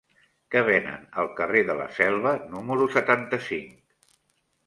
Què venen al carrer de la Selva número setanta-cinc?